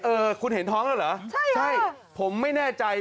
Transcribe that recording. เออคุณเห็นท้องแล้วเหรอใช่ผมไม่แน่ใจ